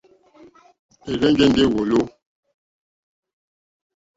É rzènjé ndí wɔ̌lɔ̀.